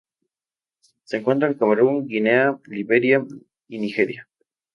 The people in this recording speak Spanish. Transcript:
Se encuentra en Camerún, Guinea, Liberia y Nigeria.